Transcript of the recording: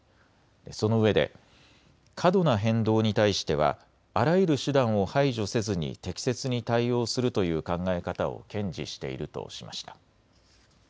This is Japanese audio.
そのうえで過度な変動に対してはあらゆる手段を排除せずに適切に対応するという考え方を堅持しているとしました。